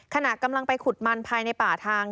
ขณะกำลังไปขุดมันภายในป่าทาง